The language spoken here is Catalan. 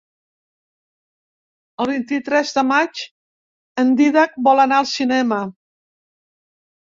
El vint-i-tres de maig en Dídac vol anar al cinema.